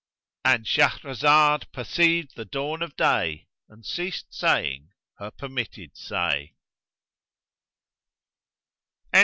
—And Shahrazad perceived the dawn of day and ceased saying her permitted say.